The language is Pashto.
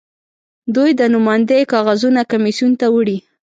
دوی د نوماندۍ کاغذونه کمېسیون ته وړي.